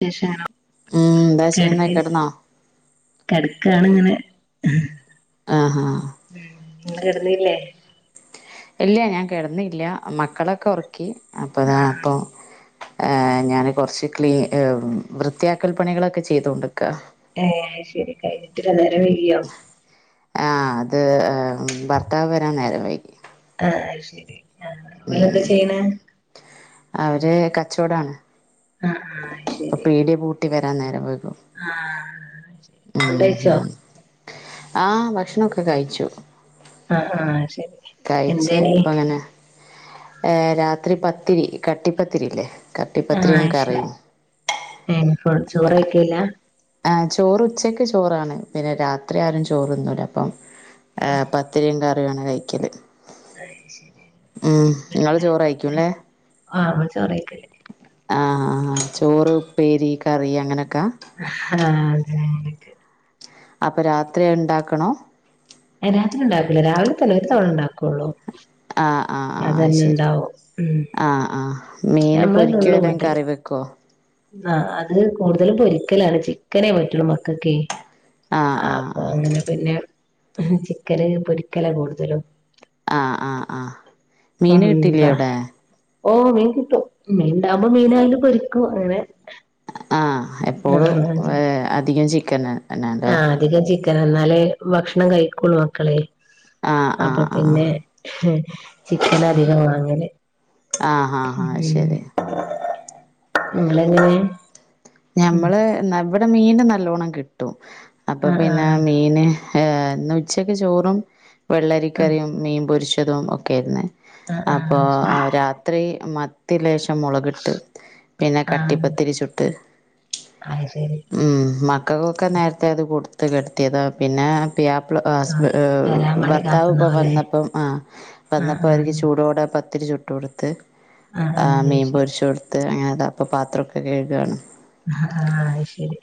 [unintelligible] ഉം എന്താ ചെയ്യുന്നേ കെടന്നി കിടന്നോ കെടക്കാണ്ങ്ങനെ ആഹ ഉം ഇങ്ങള്‌ കെടന്നീല്ലേ ഇല്യ ഞാൻ കെടന്നീല്ല മക്കളേക്കൊറക്കി അപ്പൊതാ ആഹ് പ്പൊ ഏ ഞാന് കൊർച്ച് ക്ലീ വൃത്തിയാക്കൽപണികളൊക്കെ ചെയ്തോണ്ട്ക്കാ ഏഹ് അത് ശെരി കഴിഞ്ഞിട്ടില്ല നേരം വെയ്കിയോ ആഹ് അത് ഭർത്താവ് വരാൻ നേരം വൈകി ആഹ് അത് ശെരി ആഹ് ഓലെന്താ ചെയ്യ്ണെ അവര് കച്ചോടാണ് ആഹ് ആഹ് അത് ശെരി പ്പം പീട്യ പൂട്ടി വരാൻ നേരം വൈകും ആഹ് ശരി ഫുഡ് ഉം കഴിച്ചോ ആഹ് ഭക്ഷണൊക്കെ കഴിച്ചു ആഹ് ആഹ് ശരി കഴിച്ച് എന്തേനി പ്പങ്ങനെ ഏഹ് രാത്രി പത്തിരി കട്ടിപ്പത്തിരില്ലേ ആഹ് കട്ടിപ്പത്തിരിയും അശെരി കറിയും ഏ ഇപ്പൊ ചോറയ്ക്കെല്ല ആ ചോറുച്ചക്ക് ചോറാണ് പിന്നെ രാത്രി ആരും ചോറ്ന്നൂല പ്പം ആഹ് പത്തിരിം കറിയുവാണ് കഴിക്കല് ഉം നിങ്ങള് ചോറ് കഴിക്കൂല്ലേ [unintelligible] ആഹ് ആഹ് ആഹ് ചോറ് ഉപ്പേരി കറി അങ്ങനൊക്കാ അഹഹ്ഹാ [unintelligible] അപ്പ രാത്രി അത്ണ്ടാക്കണൊ ഏ രാത്രി ഇണ്ടാക്കൂല രാവിലെ തന്നെ ഒരു തവണേണ്ടാക്കൊള്ളൂ ആഹ് ആഹ് ആഹ് അയ് ശെരി ഉം ആഹ് ആഹ് മീന് നമ്മള് പൊരിക്കേ നുള്ള് അല്ലെ പൊട്ടല് കറി വെ ക്കോ ആ അത് കൂടുതല് പൊരിക്കലാണ് ചിക്കനേ പറ്റൊള്ളൂ മക്കക്കേ ആഹ് അ അങ്ങനെ പിന്നെ ചിക്കന് പൊരിക്കലാ കൂട്തലും ആഹ് ആഹ് ആഹ് മീന് കിട്ടില്ലേ എന്താ അവിടെ ഓ മീൻ കിട്ടു മീൻണ്ടാമ്പോ മീനായാലും പൊരിക്കു അങ്ങനെ ആഹ് ആ എപ്പോഴും ഏ അധികോം ചിക്കന് എന്നെല്ലേ ആ അധികം ചിക്കന ന്നാലേ ഭക്ഷണം കഴിക്കൊള്ളു മക്കള് ആഹ് ആഹ് അപ്പ ആഹ് പിന്നെ ചിക്കനാ അധികം വാങ്ങല് ആഹ് ആഹ് ആഹ് ശെരി ഇങ്ങളെങ്ങനെ ഞമ്മള് ന ഇവ്ടെ മീന് നല്ലോണം കിട്ടും അപ്പ ആ ആ പിന്നെ മീന് ഏ ഇന്ന് ഉച്ചയ്ക്ക് ചോറും ആ വെള്ളരിക്കറിയും മീൻ പൊരിച്ചതും ഒക്കേര്ന്ന് ആ അപ്പോ ആ രാത്രി മ ഇത്തി ലേശം മുളകിട്ട് പിന്നെ ആ കട്ടിപ്പത്തിരിച്ചുട്ട്. അത് ശരി ഉം മക്കക്കൊക്കെ നേരത്തെ അത് കൊടുത്ത് കിടത്തിയതാ പിന്നെ. [unintelligible] ആ ഹുസ്ബൻ വരാൻ ഏഹ് വേണ്ടി ഭർത്താവ് ഇപ്പ കാത്തുന്നാവല്ലേ വന്നിപ്പോ ആഹ്. വന്നപ്പോ അവരെക്ക് ആഹ് ചൂടോടെ അപ്പം. പത്തിരി ചുട്ട് കൊടുത്ത് ആഹ് മീൻ പൊരിച്ച് കൊടുത്ത് അങ്ങനെ ഇതാ ഇപ്പൊ പാത്രമൊക്കെ കഴുകയാണ്. ആഹ് ശരി.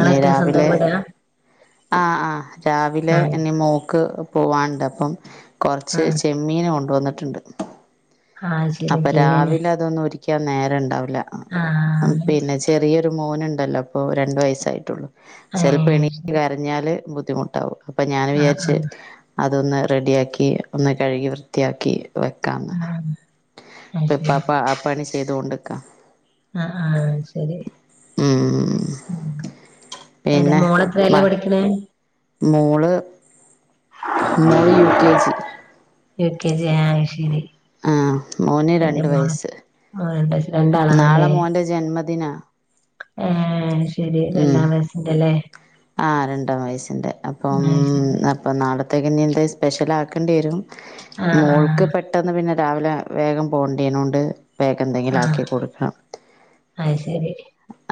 ആഹ് ആഹ് അത് ശരി നിങ്ങള് മറ്റേ സ്വന്തം രാവിലെ വീടാ ആഹ് ആഹ് രാവിലെ ആഹ് ഇനി മോൾക്ക്. പോവാനുണ്ട് അപ്പം കൊറച്ച് ആഹ് ചെമ്മീന് കൊണ്ടുവന്നിട്ടുണ്ട്. ആഹ് ശരി അപ്പൊ ക്ലീനിങ് രാവിലെ അതൊന്നു ഒരുക്കി. ക്കാൻ നേരണ്ടാവില്ല ആഹ് പിന്നെ ചെറിയൊരു മോനുണ്ടല്ലോ അപ്പൊ രണ്ടു വയസ്സായിട്ടുള്ളു ചെലപ്പോ ഏഹ് എണീറ്റ് കരഞ്ഞാല് ബുദ്ധിമുട്ടാവും അപ്പൊ ഞാൻ ആഹ് വിചാരിച്ച്. അതൊന്ന് റെഡിയാക്കി ഒന്ന് കഴുകി വൃത്തിയാക്കി. വെക്കാന്ന് ആഹ് ആഹ് അത് ശരി ഇപ്പപ്പ ആഹ് പണി ചെയ്തൊണ്ട് നിക്കാ. ആഹ് ആഹ് ശരി ഉം അന്റെ പിന്നെ മോള് എത്രലാ മ പഠിക്കണേ? മോള് മോള് U K G L K G ആഹ്ശരി ആഹ് മോന് രണ്ട് വയസ്സ്, ആ, രണ്ട് വയസ് രണ്ടാളാണല്ലേ നാളെ മോന്റെ ജന്മദിനാ. ആഹ് ശരി രണ്ടാം വയസിന്റെല്ലേ ആഹ് രണ്ടാം വയസ്സിൻ്റെ അപ്പം അത് ശരി അപ്പം നാളത്തേക്ക് ഇനി എന്തെ സ്പെഷ്യൽ ആക്കേണ്ടി വരും. ആഹ് മോൾക്ക് ആഹ് പെട്ടെന്ന് പിന്നെ രാവിലെ വേഗം പോകേണ്ടി ആയോണ്ട്. വേഗം എന്തെങ്കിലും ആക്കി ആഹ് കൊടുക്കാം. അത് ശരി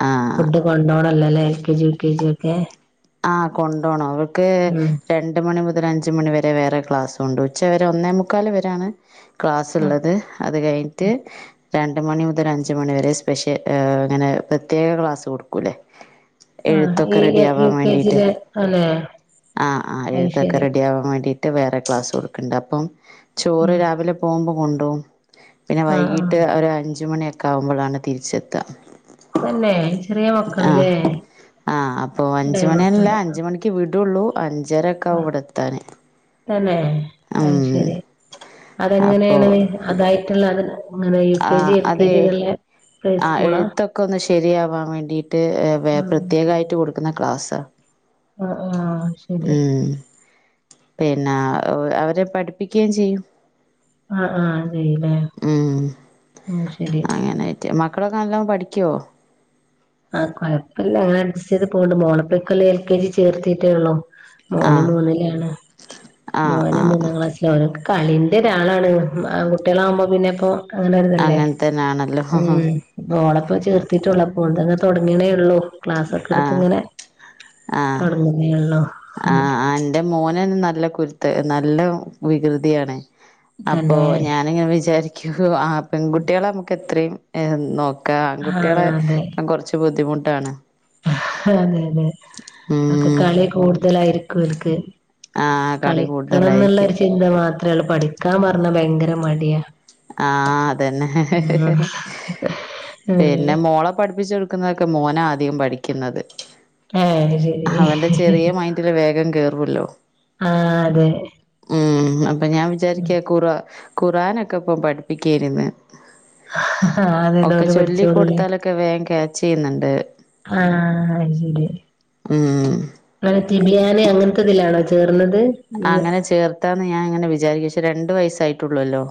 ആഹ് കൊണ്ടോണം അല്ലല്ലേ L K G, U K G ഒക്കെ. ആഹ് കൊണ്ടോണം അവൾക്കെ. ഉം രണ്ട് മണി മുതൽ അഞ്ച് മണിവരെ വേറെ ക്ലാസ്സുണ്ട്, ഉച്ച വരെ ഒന്നേമുക്കാൽ വരാണ്. ക്ലാസ്സ് ആ ഉള്ളത് അത് കഴിഞ്ഞിട്ട്. രണ്ട് മണി മുതൽ അഞ്ച് മണിവരെ സ്പെഷ്യൽ ഏഹ് അങ്ങനെ പ്രത്യേക ക്ലാസ്സ് കൊടുക്കൂല്ലേ. ആഹ് ഈ എഴുത്തൊക്കെ റെഡി ആവാൻ യു കെ വേണ്ടിട്ട്, ജിയില് അല്ലെ ആഹ് ആഹ് അത് എഴുത്തൊക്കെ ശരി റെഡി. [unintelligible] വേണ്ടിട്ട് വേറെ ക്ലാസ്സ് കൊടുക്കണ്ട് അപ്പം ചോറ് ഉം രാവിലെ പോകുമ്പോ കൊണ്ടപോകും പിന്നെ ആഹ് ആഹ് വൈകിട്ട് ഒരു അഞ്ച് മണിയൊക്കെ ആകുമ്പോഴാണ് തിരിച്ചെത്തുക. തന്നെ ചെറിയ മക്കളല്ലേ ആഹ് അപ്പൊ അഞ്ച് ടൈം മണിയല്ല ഒക്കെയുണ്ട്. അഞ്ച് മണിക്ക് വിടുള്ളൂ അഞ്ചര ആഹ് തന്നെ അത് ഉം ശരി അപ്പോ അതെങ്ങനെയാണ്. അതായിട്ടുള്ള അതെന്നെ അങ്ങനെ യു കെ ജി, ആഹ് എൽ കെ അതെ ജി, എന്നുള്ള. പ്ലേ ആഹ് സ്കൂളാ എഴുത്തൊക്കെ ഒന്ന് ശരിയാവാൻ വേണ്ടിട്ട് ഉം പ്രത്യേക ഉം ആയിട്ട് കൊടുക്കുന്ന ക്ലാസാ ആഹ് ആഹ് ശരി പിന്നെ അവ അവരെ പഠിപ്പിക്കുകേം ചെയ്യും ആഹ് ആഹ് ശരിയല്ലേ ഉം ആഹ് ശരി. അങ്ങനായിട്ട് മക്കളൊക്കെ നല്ലേണം പഠിക്കുവോ? ആഹ് കൊഴപ്പമില്ല അങ്ങനെ അഡ്ജസ്റ്റ് ചെയ്ത് പോക്കുന്നുണ്ട് മോൾ ഇപ്പൊ ഈ കൊല്ലം എൽ കെ ജി യിൽ ചേർത്തിട്ടേ ഉള്ളൂ. മോന് ആഹ് മൂന്നിലാണ് ആഹ് മോന് ആഹ് മൂന്നാം ക്ലാസ്സിലാ ഓനൊക്കെ കളിന്റെ ഒരാളാണ്, ആൺ കുട്ടികളാകുമ്പോ പിന്നെ ഇപ്പൊ. അങ്ങനെ ആയിരുന്നില്ലേ അങ്ങൻത്തന്നാണല്ലോ ആഹ് ഉം. ഓള് ഇപ്പൊ ചേർത്തട്ടേ ഉള്ളു അപ്പോൾ തന്നെ തുടങ്ങണെ ഉള്ളൂ. ക്ലാസ്സൊക്കെടുത്ത് ആഹ് ഇങ്ങനെ ആഹ് തുടങ്ങുന്നേള്ളൂ ഉം. ആഹ് എന്റെ മോന് നല്ല കുരുത്ത് നല്ല വികൃതിയാണ്. അപ്പൊ തന്നെ ഞാനിങ്ങനെ വിചാരിക്കു ആഹ് പെൺകുട്ടികളെ നമുക്ക് എത്രയും നോ ആഹ് ആൺകുട്ട്യളെ അതെ കൊറച്ച് ബുദ്ധിമുട്ടാണ് അതെ അതെ അക്കെ ഉം കളി കൂടുതലായിരിക്കും എനിക്ക് ആഹ് കളി കളിക്കണം എന്നുള്ള കൂടുതലായിരിക്കും. ഒരു ചിന്ത മാത്രേള്ളൂ പഠിക്കാൻ പറഞ്ഞാ ഭയങ്കര മടിയാ ആഹ് അതന്നെ ഉം ഏഹ് പിന്നെ മോളെ പഠിപ്പിച്ചോട് ക്കുന്നൊക്കെ മോനാ ആദ്യം പഠിക്ക്ന്നത് ആഹ് അത്ശരി ക്കില് വേഗം കേറോല്ലോ ആഹ് അതെ ഉം അപ്പൊ ഞാൻ വിചാരിക്ക ഖറ ഖുറആനൊക്കെ ഇപ്പൊ പഠിപ്പിക്കായിരുന്നു ആഹ് അതെ ന്നാ ഒക്കെ ഓല് ചൊല്ലി പഠിച്ചോളൂല്ലേ കൊടുത്താലൊക്കെ വേഗം ക്യാച്ച് ചെയ്യുന്നുണ്ട് ആഹ് അത് ശരി ഉം ആഹ് തിബിയാന് അങ്ങനത്തെതിലാണോ ചേർന്നത് ആഹ് അങ്ങനെ ചേർത്താന്ന് ഞാൻ ഇങ്ങനെ വിചാരിക്കും പക്ഷേ രണ്ട് വയസ്സായിട്ടുള്ളൂല്ലോ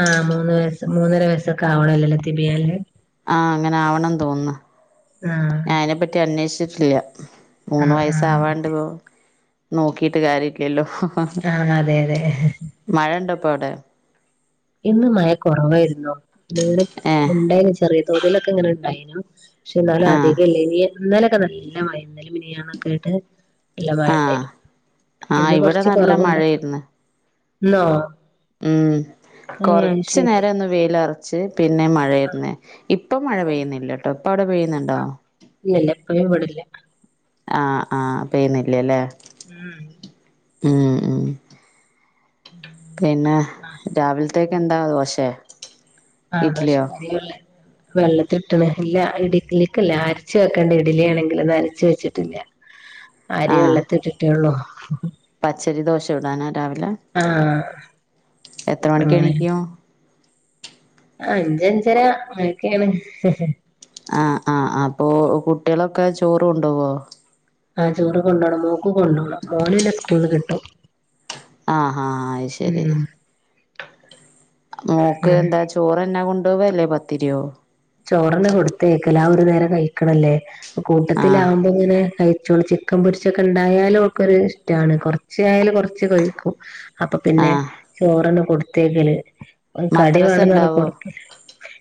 ആഹ് മൂന്ന് വയസ് മൂന്നര വയസ്സൊക്കെ ആവണം അല്ലല്ലോ തിബിയല് ആഹ് അങ്ങനാവണം തോന്ന്ന്നു ആഹ് ഞാൻ അയിനെപ്പറ്റി അന്വേഷിച്ചിട്ടില്ല മൂന്ന് ആഹ് ആഹ് വയസാവാണ്ട്പ്പ നോക്കീട്ട് കാര്യല്ലല്ലോ ആഹ് അതെ അതെ മഴണ്ടോപ്പവ്ടെ? ഇന്ന് മഴ കൊറവായിരുന്നു [unintelligible] ഏഹ് ഇണ്ടായിന് ചെറിയ തോതിലൊക്കെങ്ങനെ ഇണ്ടായിനു പക്ഷെ എന്നാലും ആഹ് അധികം ഇല്ല ഇനി ഇന്നലൊക്കെ നല്ല ഇന്നലിം മിനിയാണൊക്കെ ആയിട്ട് നല്ല ആഹ് മഴണ്ടായിനു ഇന്ന് ആഹ് ഇവിടെ കൊറച്ച് നല്ല കൊറവ്ണ്ടോ മഴയാര്ന്ന് ഇന്നോ? ഉം ഏഹ് അത് കൊറച്ച് ശരി നേരോന്ന് വെയിലറച്ച് പിന്നെ മഴന്നെ ഇപ്പൊ മഴ ആഹ് പെയ്യുന്നില്ല കേട്ടോ ഇപ്പ അവിടെ പെയ്യ ആഹ് ഇല്ലല്ല എപ്പും ഇവിടില്ല ആഹ് ആഹ് പെയ്ന്നില്ലല്ലേ ഉം ഉം ഉം പിന്നെ ആഹ് പിന്നെ രാവിലത്തേക്ക്ന്താ ദോശേ? ആഹ് ഇഡ്ലിയോ ദോശക്കാരിയല്ലേ വെള്ളത്തി ഇട്ടണ് ഇല്ല ഇടലിക്കല്ല അരച്ച വെക്കേണ്ട ഇഡലിയാണെങ്കിൽ ഒന്ന് അരച്ച് വെച്ചിട്ടില്ല [inaudible] അരി ആഹ് വെള്ളത്തിട്ട്ട്ടേ ഒള്ളൂ പച്ചരി ദോശ ചുടാന രാവിലെ എത്ര മണിക്ക് അങ്ങനെ എണീക്കും അഞ്ചഞ്ചര അതൊക്കെയാണ് ആഹ് ആഹ് അപ്പൊ കുട്ടികളൊക്കെ ചോറും കൊണ്ടവോ?. ആഹ് ചോറ് കൊണ്ടോണം മോക്ക് കൊണ്ടോണം മോന് ന്ന സ്കൂള് കിട്ടും ആഹ് ആഹ് അതുശരി ഉം മോക്ക് അങ്ങനെ എന്താ ചോറന്നെ കൊണ്ടോവല്ലേ പത്തിരിയോ ചോറന്ന കൊടുത്തേക്കല ആ ഒരു നേരം കഴിക്കണല്ലേ പ്പ ആഹ് കൂട്ടത്തിലാമ്പോങ്ങനെ കഴിച്ചോ ക്കം പൊരിച്ചൊക്കെണ്ടായാലും ഓക്കൊര് ഇഷ്ടാണ് കൊറച്ചായാല് കൊറച്ച് കഴിക്കും അപ്പൊ പിന്നെ ആഹ് ചോറെന്നെ കൊടുത്തേക്കല് കടി മദ്രസ വേണ്ടെന്ന് പറഞ്ഞപ്പം ഉണ്ടാവോ കൊടുക്കല്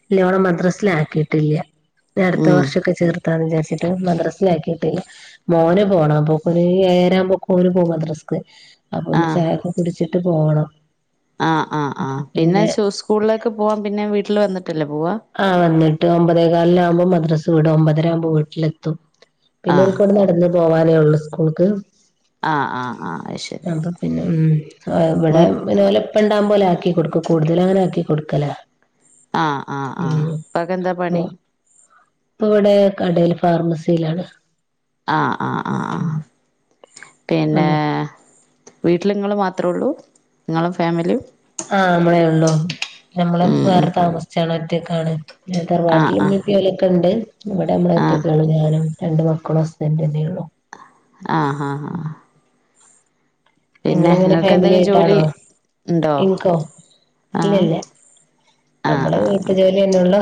ഇല്ലോളെ മദ്രസീലാക്കിട്ടില്ല്യ. നി അടുത്ത ഉം വർഷൊക്കെ ചേർ ഏതാൻ വിചാച്ചിട്ട് മദ്രസ്സേൽ ആക്കിട്ടില്ല മോന് പോണം [unintelligible] ഏഴര ആവുമ്പോ ഒക്കെ ഓര് പോവും മദ്രസ്സക്ക് അപ്പൊന്ന് ആഹ് ചായക്കെ കുടിച്ചിട്ട് പോകണം. ആഹ് ആഹ് ആഹ് പിന്നെ സ്കൂളിലേക്ക് പോവാൻ പിന്നെ വീട്ടിൽ വന്നിട്ടല്ലേ പോവാ?. ആഹ് വന്നിട്ട് ഒമ്പതേകാലിനാവുമ്പോ മദ്രസ വീടും ഒമ്പതരാമ്പോ വീട്ടിലെത്തും ആഹ് പിന്നോല്ക്ക്ടെ നടന്ന് പോവാനേ ഉള്ളു സ്കൂൾക്ക് ആഹ് ആഹ് ആഹ് അത് ശരി അപ്പൊ പിന്നെ ഉം ഇവിടെ ഉം പിന്നെ പലെ ഇപ്പണ്ടാവുമ്പം ഓല ആക്കി കൊടുക്കും കൂടുതല് അങ്ങനെ ആക്കി കൊടുക്കലാ. ആഹ് ആഹ് ആഹ് ഉം പ്പാക്കെന്താ പണി പ്പവിടെ കടേല് ഫാർമസീലാണ് ആഹ് ആഹ് ആഹ് പിന്നെ അല്ല വീട്ടില്ങ്ങള് മാത്രെള്ളൂ ഇങ്ങളും ഫാമിലിയും ആഹ് നമ്മളെ ഉള്ളൂ. നമ്മള് ഉം ഉം വേറെ താമസിച്ചണ ഒറ്റക്കാണ്. ആഹ് തർവാട്ടിലു മ്മി ആഹ് പ്പി ഓലൊക്കെണ്ട് ഇവിടെ നമ്മള ആഹ് ഒറ്റൊക്കെള്ളൂ ഞാനും രണ്ടു മക്കളും ഹസ്ബൻ്റെ തന്നെയുള്ളു. ആഹ് ഹാഹാ ഇങ്ങളെങ്ങനെ ഇങ്ങൾക്ക് ഫാമിലി എന്തെങ്കിലും ജോലി ആയിട്ടാണോ ഇണ്ടോ എൻക്കോ ആഹ് ഇല്ലല്ല ആഹ് നമ്മള് ആഹ് വീട്ട് ആഹ് ജോലിയല്ലെ ഉള്ളൂ.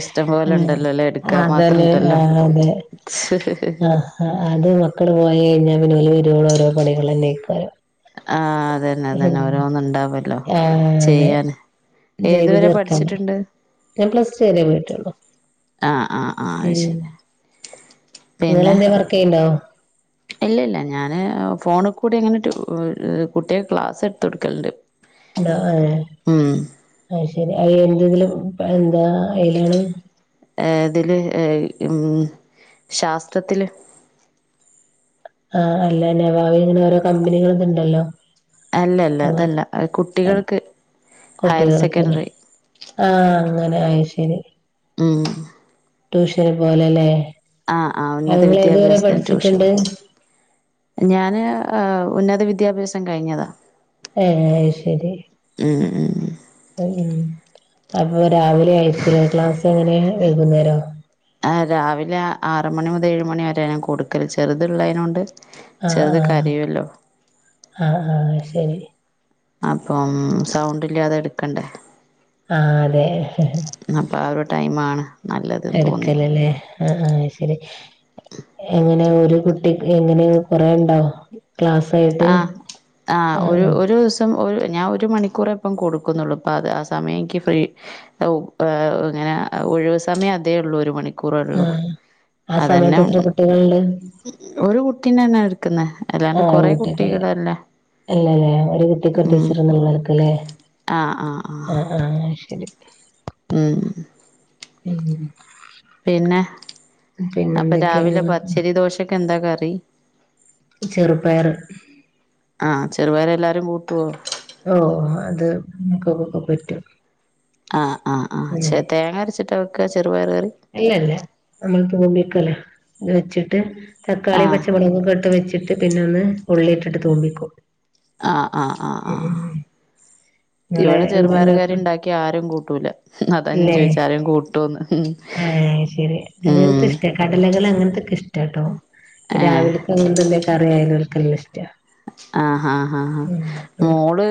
ഇഷ്ടം പോലെ ഉണ്ടല്ലോ ല്ലേ ആ എടുക്കാൻ മാത്രം അതന്നെ ആ ഉണ്ടല്ലോ അതെ ആഹ് ആഹ് അത് മക്കള് പോയി കഴിഞ്ഞാ പിന്നെ വരുവോളം ഓരോ പണികളല്ലെ? നീക്കു ആ അത് ന്നെ അത് തന്നെ ഓരോന്നും ഉണ്ടാവല്ലോ. ആഹ് അതെ ചെയ്ത് ഏതുവരെ തീർക്കാന് പഠിച്ചിട്ടുണ്ട് ഞാൻ പ്ലസ് ടു വരേ പോയിട്ടൊള്ളു ആഹ് ആഹ് ആഹ് അത് ഉം ശരി പിന്നെ നിങ്ങളന്തെങ്കിലും വർക്ക് ചെയ്യുന്നുണ്ടോ. ഇല്ലില്ല ഞാന് ഫോണി കൂടിങ്ങനെട്ട് കുട്ടിക ക്ലാസെടുത്ത് കൊട്ക്കലുണ്ട് ഉണ്ടോ അഹ് ശരി എന്തെതിലും എന്താ അതിലാണ് ഇതില് ഉം ശാസ്ത്രത്തില് ആഹ് അല്ല അല്ല വാവി ഇങ്ങനെ കമ്പനികൾ ഉണ്ടല്ലോ?. അല്ലല്ല അതല്ല കുട്ടികൾക്ക് ഹയർ സെക്കൻഡറി ആ അങ്ങനെ അത്ശരി ഉം ട്യൂഷന് പോലല്ലേ ആ ആ ഉന്നത വിദ്യാഭ്യാസത്തിന് ട്യൂഷൻ. അഹ് ഞാന് ഉന്നത വിദ്യാഭ്യാസം കഴിഞ്ഞതാ ഏന്ന് അത്ശരി ഉം ഉം അപ്പൊ രാവിലെ ആയിരിക്കൂലേ ക്ലാസ് എങ്ങനെ വൈകുന്നേരോ ആഹ് രാവിലെ ആറ് മണി മുത ഏഴ് മണി വരെ ഞാൻ കൊടുക്കല് ചെറുത്ള്ളേതിനോണ്ട് ആഹ് ചെറുത് ആഹ് കരയുല്ലോ. ആഹ് ആഹ്‌യ് ശരി അപ്പം സൗണ്ടില്ല്യാതെടുക്കണ്ടേ ആ അതെ അപ്പൊ ആ ഒരു ടൈമാണ് നല്ലതെന്ന് തോന്നി എട്ക്കല് ല്ലേ?. ആഹ് അയ് ശരി എങ്ങനെ ഒരു കുട്ടി എങ്ങനെ കൊറേണ്ടോ ക്ലാസായിട്ട് ആ ത്തം ഒര് ഞാ ഒരു മണിക്കൂറെപ്പം കൊടുക്കുന്നുള്ളൂ പ്പത് ആ സമയം എക്ക് ഫ്രീ ഓ പ്പ ഇങ്ങനെ ഒഴിവ് സമയം അതേ ഉള്ളൂ ഒരുമണി. ആഹ് ആഹ് സമയത്ത് എത്ര കുട്ടികളുണ്ട്. ഒരു കുട്ടീ തന്നാ എടുക്കുന്നത്. എ ആഹ് കുട്ടിയക്കല്ലേ അല്ലല്ലേ ഒരു കുട്ടിക്കൊര് ഉം ടീച്ചർന്നൊള്ളാരിക്കല്ലേ ആഹ് ആഹ് ആഹ് ആഹ് ആഹ് അയ്ശരി ഉം ഉം പിന്നെ പിന്നെ അപ്പ രാവിലെ എന്തൊക്കെയാണ് പച്ചരി ദോശക്കെന്താ കറി ചെറുപ്പയർ. ആഹ് ചെറുപയറെല്ലാരും കൂട്ടോ ഓഹ് അത് നമുക്കക്കെ പറ്റും. ആഹ് ആഹ് ആഹ് ചെ തേങ്ങരച്ചിട്ടാ വെയ്ക്ക്ക ചെറുപയറ് കറി ഇല്ല ഇല്ല നമ്മൾ തൂമ്പിക്കല്ലോ ഇത് വെച്ചിട്ട് തക്കാളിയും, ആഹ് പച്ചമുളകൊക്കെ ഇട്ട് വെച്ചിട്ട് പിന്നെ ഒന്ന് ഉള്ളി ഇട്ടിട്ട് തൂമ്പിക്കോ ആഹ് ആഹ് ആഹ് ആഹ് നിങ്ങള് ഇവിടെ എന്താ ഇണ്ടാക്ക ചെറുപയറുകറീണ്ടാക്കിയ ആരും കൂട്ടൂല്ല അതാ ഞൻ ചോയ്ച്ച ആരേം കൂട്ടു ട്ടോന്ന് ആഹ് യ്ശരി അങ്ങനത്തെ ഇഷ്ട കടലകള്ങ്ങനത്തെക്കെ ഇഷ്ടാട്ടോ ഏഹ് രാവിലെ അത്കൊണ്ടെന്തെ കറിയായാലു ഇവര്ക്കെല്ലായ്ഷ്ട ആഹാ ഹാ ഹാ ഉം മോള്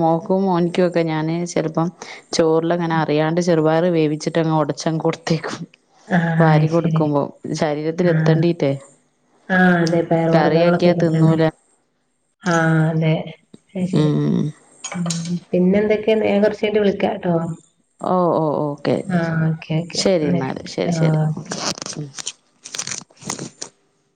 മോക്കും മോനിക്കു ഒക്കെ ഞാന് ചെലപ്പം ചോറിലങ്ങനെ അറിയാണ്ട് ചെറുപയറ് വേവിച്ചിട്ടങ്ങ ഒടച്ചങ്ങ് കൊടുത്തേക്കും. ആഹ് അത് വാരി ശരി കൊടുക്കുമ്പോം ശരീരത്തി ആഹ് എത്തേണ്ടിറ്റേ ആഹ് അതെ പേർ വർഗ്ഗങ്ങളൊക്കെ ഇങ്ങത്തന്നെ തിന്നൂല ആഹ അതെ അഹ് ശരി ഉം ഉം പിന്നെ എന്തൊക്കെയാ? ഞാൻ കുറച്ച് കഴിഞ്ഞിട്ട് വിളിക്കാട്ടോ. ഓ ഓ ഓക്കെ ആഹ് ഓക്കെ ഓക്കെ ശരി എന്നാല് എ ശരി ശരി ആഹ് ഓക്കെ.